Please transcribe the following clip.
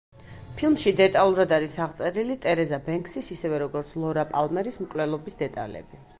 ფილმში დეტალურად არის აღწერილი ტერეზა ბენქსის, ისევე, როგორც ლორა პალმერის მკვლელობის დეტალები.